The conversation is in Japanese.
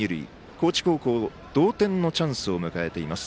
高知高校、同点のチャンスを迎えています。